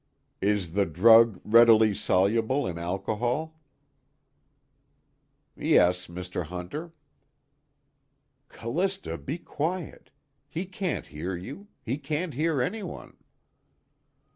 _" "Is the drug readily soluble in alcohol?" "Yes, Mr. Hunter." _Callista, be quiet! He can't hear you. He can't hear anyone.